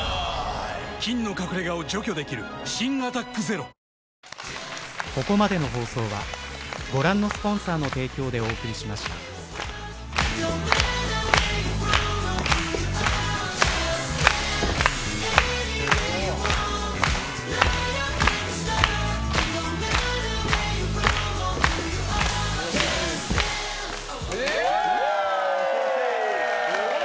菌の隠れ家を除去できる新「アタックＺＥＲＯ」イエーイ！